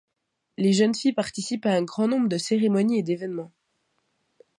Les jeunes filles participent à un grand nombre de cérémonies et d'événements.